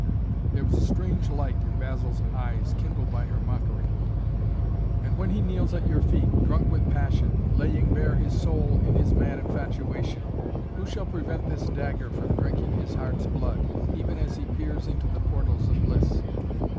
There was a strange light in Basil's eyes, kindled by her mockery. "And when he kneels at your feet, drunk with passion laying bare his soul in his mad infatuation who shall prevent this dagger from drinking his heart's blood, even as he peers into the portals of bliss?"